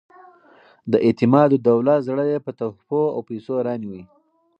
د اعتمادالدولة زړه یې په تحفو او پیسو رانیوی.